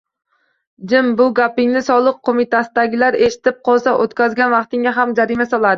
Jim!!! Bu gapingni Soliq qo'mitasidagilar eshitib qolsa, o'tkazgan vaqtingga ham jarima soladi!